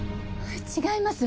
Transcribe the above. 違います！